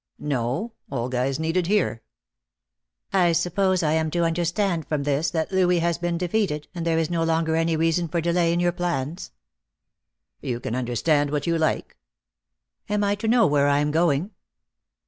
"No. Olga is needed here." "I suppose I am to understand from this that Louis has been defeated and there is no longer any reason for delay in your plans." "You can understand what you like." "Am I to know where I am going?"